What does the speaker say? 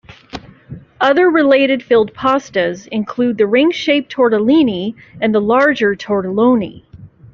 Other related filled pastas include the ring-shaped tortellini and the larger tortelloni.